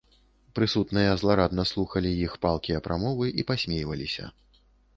Прысутныя зларадна слухалі іх палкія прамовы і пасмейваліся.